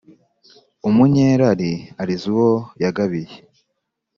umunyerari ariza uwo yagabiye.